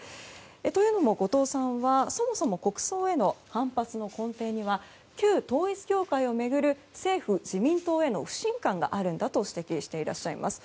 というのも後藤さんはそもそも国葬への反発の根底には旧統一教会を巡る政府・自民党への不信感があるんだと指摘していらっしゃいます。